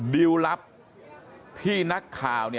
ดิวรับพี่นักข่าว